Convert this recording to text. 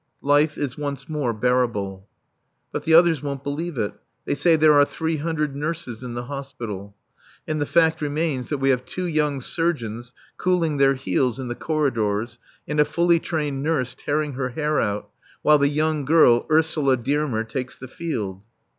Life is once more bearable. But the others won't believe it. They say there are three hundred nurses in the hospital. And the fact remains that we have two young surgeons cooling their heels in the corridors, and a fully trained nurse tearing her hair out, while the young girl, Ursula Dearmer, takes the field.